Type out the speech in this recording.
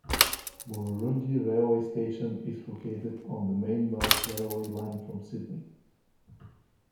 Murrurundi railway station is located on the Main North railway line, from Sydney.